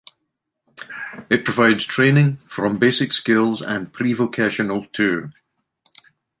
It provides training, from basic skills and prevocational to.